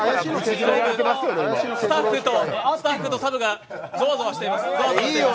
スタッフとサブがざわざわしています。